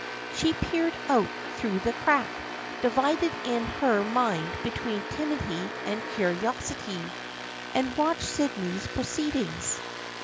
She peered out through the crack, divided in her mind between timidity and curiosity, and watched Sydney's proceedings.